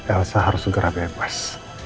elsa harus segera bebas